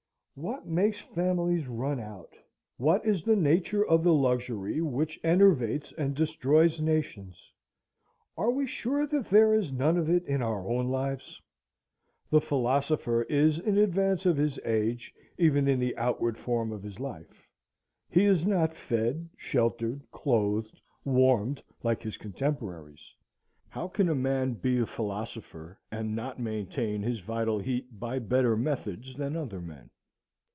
What makes families run out? What is the nature of the luxury which enervates and destroys nations? Are we sure that there is none of it in our own lives? The philosopher is in advance of his age even in the outward form of his life. He is not fed, sheltered, clothed, warmed, like his contemporaries. How can a man be a philosopher and not maintain his vital heat by better methods than other men?